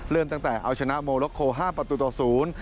เริ่มตั้งแต่เอาชนะโมโลโค๕ประตูต่อศูนย์